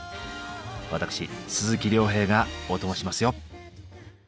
私鈴木亮平がオトモしますよ。